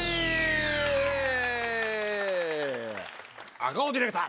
赤尾ディレクター！